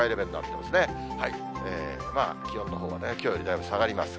まあ気温のほうはきょうよりだいぶ下がります。